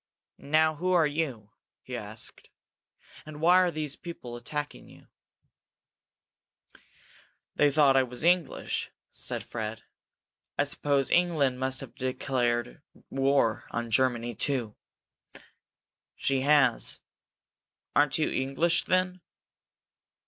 "Now who are you?" he asked. "And why were those people attacking you?" "They thought I was English," said Fred. "I suppose England must have declared war on Germany, too." "She has. Aren't you English, then?"